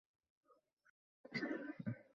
আমি আপনাদের দ্বিধায় ফেলছি না।